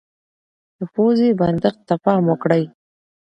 د پوزې بندښت ته پام وکړئ.